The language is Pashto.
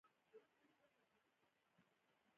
سپینو غاښونو یې ګوهر هم بې ارزښته کړ.